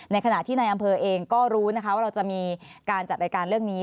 ขณะที่ในอำเภอเองก็รู้นะคะว่าเราจะมีการจัดรายการเรื่องนี้